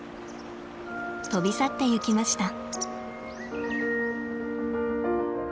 飛び去っていきました。